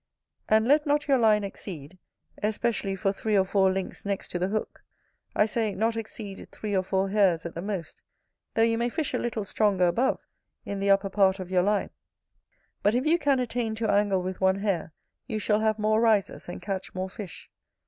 And let not your line exceed, especially for three or four links next to the hook, I say, not exceed three or four hairs at the most; though you may fish a little stronger above, in the upper part of your line: but if you can attain to angle with one hair, you shall have more rises, and catch more fish.